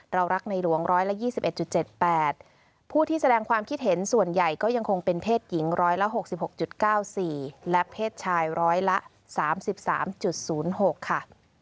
เรารักในหลวง๑๒๑๗๘ผู้ที่แสดงความคิดเห็นส่วนใหญ่ก็ยังคงเป็นเพศหญิง๑๖๖๙๔และเพศชายร้อยละ๓๓๐๖ค่ะ